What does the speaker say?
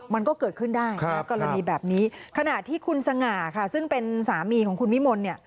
มันก็เกิดขึ้นได้ครับกรณีแบบนี้ขณะที่คุณสง่าค่ะซึ่งเป็นสามีของคุณวิมลเนี่ย